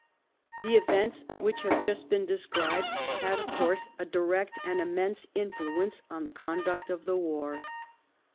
The events which have just been described had, of course, a direct and an immense influence on the con duct of the war.